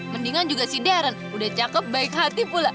mendingan juga si darren udah cakep baik hati pula